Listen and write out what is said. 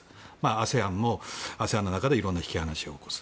ＡＳＥＡＮもＡＳＥＡＮの中で引き離しを起こす。